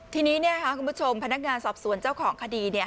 ทีนี้เนี่ยค่ะคุณผู้ชมพนักงานสอบส่วนเจ้าของคดีเนี่ย